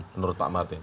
menurut pak martin